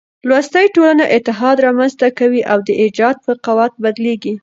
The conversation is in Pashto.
لوستې ټولنه اتحاد رامنځ ته کوي او د ايجاد په قوت بدلېږي.